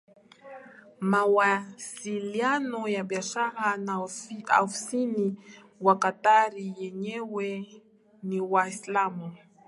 mawasiliano ya biashara na ofisini Waqatari wenyewe ni Waislamu